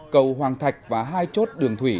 cầu hoàng thạch và hai chốt đường thủy